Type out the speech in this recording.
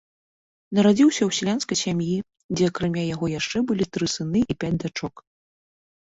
Нарадзіўся ў сялянскай сям'і, дзе акрамя яго яшчэ былі тры сыны і пяць дачок.